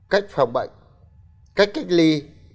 cách phòng bệnh cách cách ly